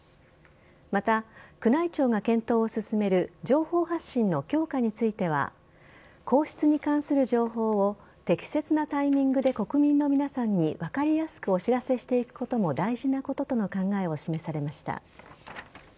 また、宮内庁が検討を進める情報発信の強化については皇室に関する情報を適切なタイミングで国民の皆さんに分かりやすくお知らせしていくことも大事なこととの考えを示されました。